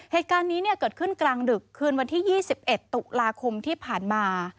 เหตุการณ์นี้เกิดขึ้นกลางดึกคืนวันที่๒๑ตุลาคมที่ผ่านมา